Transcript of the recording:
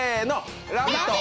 「ラヴィット！」